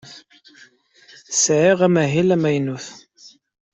Sɛiɣ amahil amaynut.